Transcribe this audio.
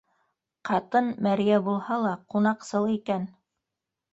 Ҡатын, мәрйә булһа ла, ҡунаҡсыл икән.